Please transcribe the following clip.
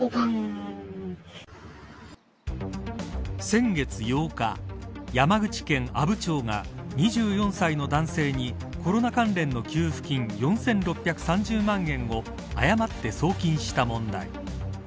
先月８日山口県阿武町が２４歳の男性にコロナ関連の給付金４６３０万円を誤って送検した問題。